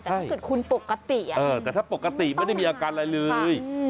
แต่ถ้าเกิดคุณปกติแต่ถ้าปกติไม่ได้มีอาการอะไรเลย